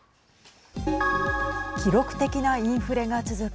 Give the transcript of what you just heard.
記録的なインフレが続く